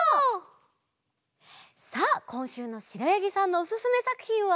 さあこんしゅうのしろやぎさんのおすすめさくひんは。